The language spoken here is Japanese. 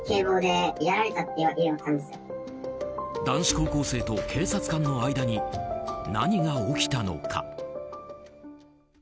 男子高校生と警察官の間に何が起きたのか。